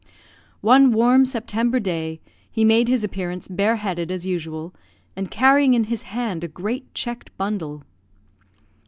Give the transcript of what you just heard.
One warm September day, he made his appearance bare headed, as usual, and carrying in his hand a great checked bundle.